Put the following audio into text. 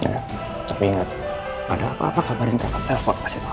ya tapi ingat pada apa apa kabar yang kakak telfon kasih tau